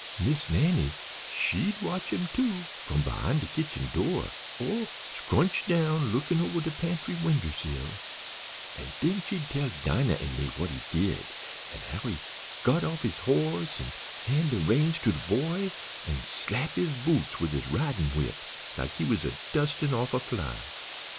"Miss Nannie, she'd watch him, too, from behind de kitchen door, or scrunched down lookin' over de pantry winder sill, an' den she'd tell Dinah an' me what he did, an' how he got off his horse an' han' de reins to de boy, an' slap his boots wid his ridin' whip, like he was a dustin' off a fly.